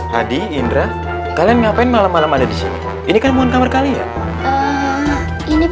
hadi indra kalian ngapain malam malam ada di sini ini kan mohon kamar kalian ini